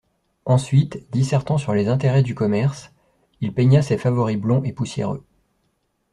Ensuite, dissertant sur les intérêts du commerce, il peigna ses favoris blonds et poussiéreux.